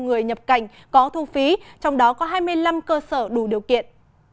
người nhập cảnh có thu phí trong đó có hai mươi năm cơ sở đủ điều kiện